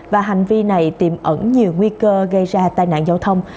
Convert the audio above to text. và hành vi này tiềm ẩn nhiều nguy cơ gây ra tai nạn giao thông